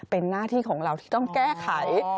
เป็นหน้าที่ของเราที่ต้องแก้ไข